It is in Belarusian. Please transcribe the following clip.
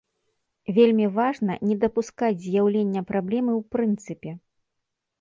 Вельмі важна не дапускаць з'яўлення праблемы ў прынцыпе.